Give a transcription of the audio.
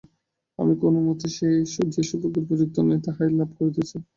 আমি কোনোমতেই যে সৌভাগ্যের উপযুক্ত নই তাহাই লাভ করিতেছি।